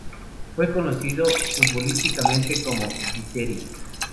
Fue conocido futbolísticamente como Viteri.